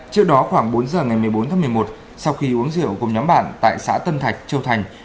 trước đó khoảng bốn giờ ngày một mươi bốn tháng một mươi một sau khi uống rượu cùng nhóm bạn tại xã tân thạch châu thành